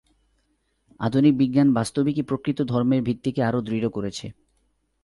আধুনিক বিজ্ঞান বাস্তবিকই প্রকৃত ধর্মের ভিত্তিকে আরও দৃঢ় করেছে।